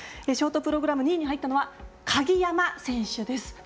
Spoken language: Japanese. ショートプログラム２位に入ったのは鍵山選手です。